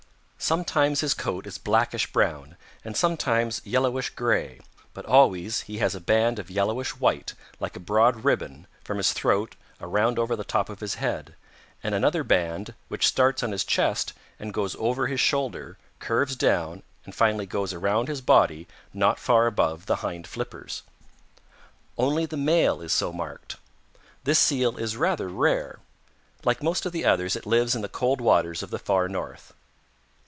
Sometimes his coat is blackish brown and sometimes yellowish gray, but always he has a band of yellowish white, like a broad ribbon, from his throat around over the top of his head, and another band which starts on his chest and goes over his shoulder, curves down and finally goes around his body not far above the hind flippers. Only the male is so marked. This Seal is rather rare. Like most of the others it lives in the cold waters of the Far North.